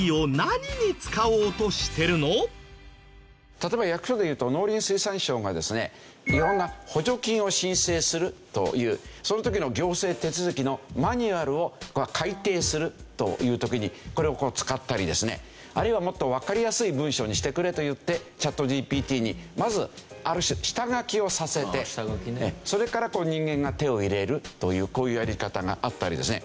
例えば役所でいうと農林水産省がですね色んな補助金を申請するというその時の行政手続きのマニュアルを改定するという時にこれを使ったりですねあるいはもっとわかりやすい文章にしてくれと言ってチャットＧＰＴにまずある種下書きをさせてそれから人間が手を入れるというこういうやり方があったりですね。